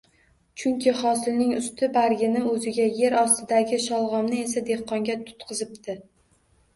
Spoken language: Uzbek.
Chunki hosilning usti — bargini o’ziga, yer ostidagi sholg’omni esa dehqonga tutqizibdi